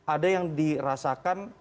ada yang dirasakan